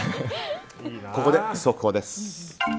ここで速報です。